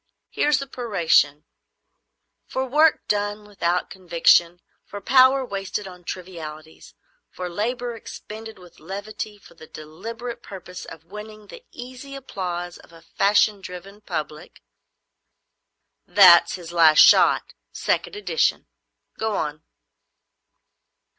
Here's the peroration: "For work done without conviction, for power wasted on trivialities, for labour expended with levity for the deliberate purpose of winning the easy applause of a fashion driven public——" "That's "His Last Shot," second edition. Go on."